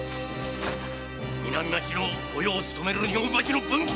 南町の御用を務める日本橋の文吉だ‼